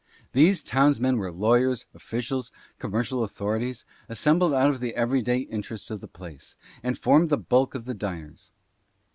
These townsmen were lawyers, officials, commercial authorities, assembled out of the every day interests of the place, and formed the bulk of the diners.